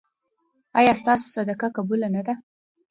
ایا ستاسو صدقه قبوله نه ده؟